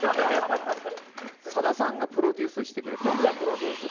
さださんがプロデュースしてくれてるんだね。